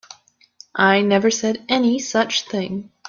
I never said any such thing.